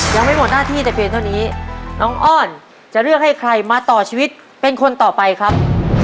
ยังไม่หมดหน้าที่แต่เพียงเท่านี้น้องอ้อนจะเลือกให้ใครมาต่อชีวิตเป็นคนต่อไปครับ